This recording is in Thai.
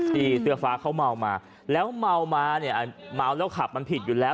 เสื้อฟ้าเขาเมามาแล้วเมามาเนี่ยเมาแล้วขับมันผิดอยู่แล้ว